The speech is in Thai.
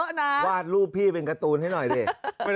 อย่าวาดรูปพี่ให้หน่อย่ิ